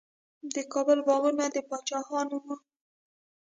د کابل باغونه د پاچاهانو وو.